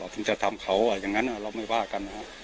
เราต้องจะทำเขาอ่ะอย่างนั้นอ่ะเราไม่ว่ากันอ่ะ